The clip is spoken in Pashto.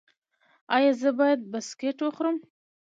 ایا زه باید بسکټ وخورم؟